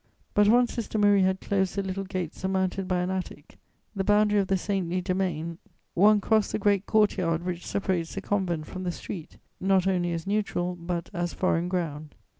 But, once Sister Marie had closed the little gate surmounted by an attic, the boundary of the saintly domain, one crossed the great court yard which separates the convent from the street, not only as neutral, but as foreign ground.